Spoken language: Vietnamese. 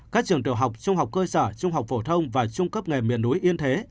các trường tiểu học trung học cơ sở trung học phổ thông và trung cấp nghề miền núi yên thế